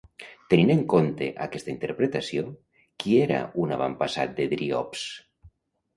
Tenint en compte aquesta interpretació, qui era un avantpassat de Driops?